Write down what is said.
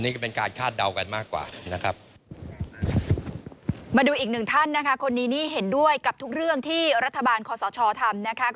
คนนี้เห็นด้วยกับทุกเรื่องที่รัฐบาลคอสชทำ